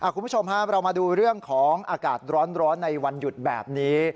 คุณผู้ชมครับเรามาดูเรื่องของอากาศร้อนในวันหยุดแบบนี้